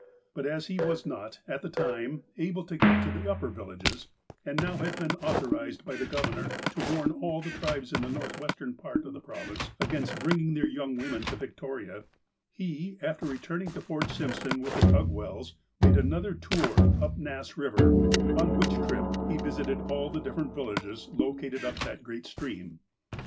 But as he was not, at the time, able to get to the upper villages, and now had been authorized by the Governor to warn all the tribes in the Northwestern part of the province against bringing their young women to Victoria, he, after return ing to Fort Simpson with the Tugwells, made another tour up Nass River, on which trip he visited all the different villages located up that great stream.